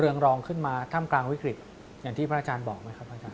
รองขึ้นมาท่ามกลางวิกฤตอย่างที่พระอาจารย์บอกไหมครับอาจาร